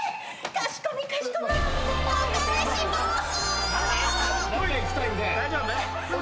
かしこみかしこみお返し申す！